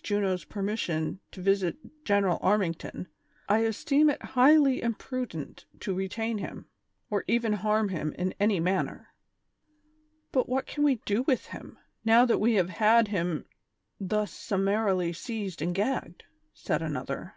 Tuno's permission to visit General Arming ton, I esteem it highly imprudent to retain him, or even harm him in any manner." '' But what can we do with him, now that we have had him thus summarily seized and gagged ?" said another.